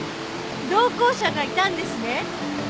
同行者がいたんですね？